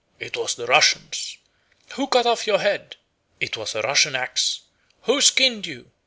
It was the Russians. Who cut off your head? It was a Russian axe. Who skinned you?